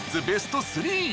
ベスト３！